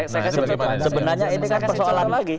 saya kasih contoh lagi